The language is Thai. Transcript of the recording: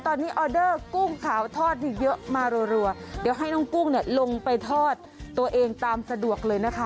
ตอนนี้ออเดอร์กุ้งขาวทอดนี่เยอะมารัวเดี๋ยวให้น้องกุ้งเนี่ยลงไปทอดตัวเองตามสะดวกเลยนะคะ